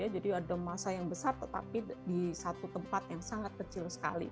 jadi ada masa yang besar tetapi di satu tempat yang sangat kecil sekali